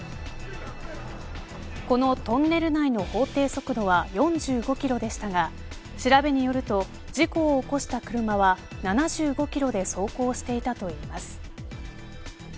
このトンネル内の法定速度は４５キロでしたが調べによると事故を起こした車は７５キロで走行していたといいます。